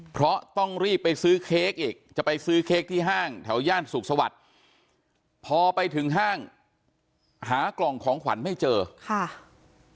เพราะต้องรีบไปซื้อเค้กอีกจะไปซื้อเค้กที่ห้างแถวย่านสุขสวัสดิ์พอไปถึงห้างหากล่องของขวัญไม่เจอค่ะ